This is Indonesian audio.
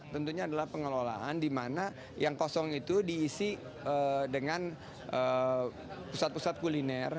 tentunya adalah pengelolaan di mana yang kosong itu diisi dengan pusat pusat kuliner